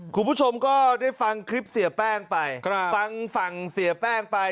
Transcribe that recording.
คุณผู้ชมก็ได้ฟังคลิปเสียแป้งไปฟังฝั่งเสียแป้งไป